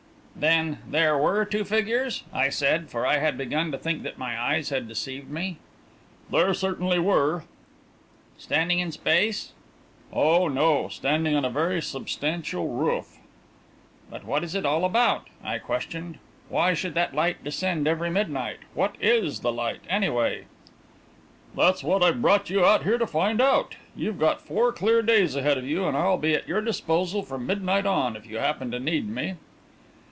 "Then there were two figures!" I said, for I had begun to think that my eyes had deceived me. "There certainly were." "Standing in space?" "Oh, no; standing on a very substantial roof." "But what is it all about?" I questioned. "Why should that light descend every midnight? What is the light, anyway?" "That's what I've brought you out here to find out. You've got four clear days ahead of you and I'll be at your disposal from midnight on, if you happen to need me."